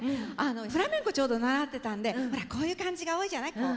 フラメンコちょうど習ってたんでほらこういう感じが多いじゃない。